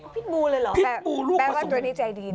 พิษบูเลยเหรอแปลว่าตัวนี้ใจดีนะ